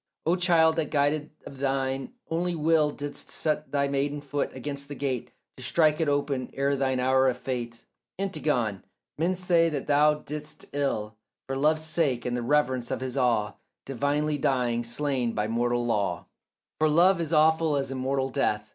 O child, that guided of thine only will Didst set thy maiden foot against the gate To strike it open ere thine hour of fate, Antigone, men say not thou didst ill, For love's sake and the reverence of his awe Divinely dying, slain by mortal law; For love is awful as immortal death.